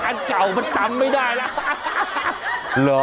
อันเก่ามันจำไม่ได้แล้ว